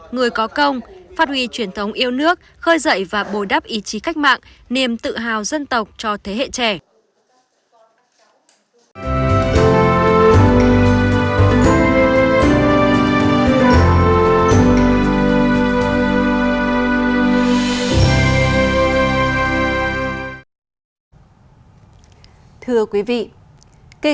người có công phát huy truyền thống yêu nước khơi dậy và bồi đắp ý chí cách mạng niềm tự hào dân tộc cho thế hệ trẻ